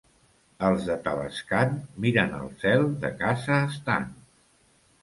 Els de Tavascan miren el cel de casa estant.